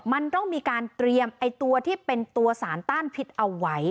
มันต้องมีการเตรียมตัวที่เป็นตัวสารต้านพิษเอาไว้